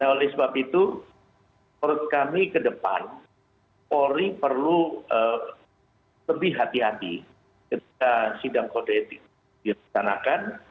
oleh sebab itu menurut kami ke depan polri perlu lebih hati hati ketika sidang kode etik dilaksanakan